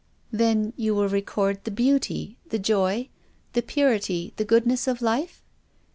" Then, you will record the beauty, the joy, the purity, the goodness of life